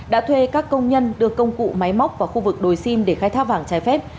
đã thuê các công nhân đưa công cụ máy móc vào khu vực đồi sim để khai thác vàng trái phép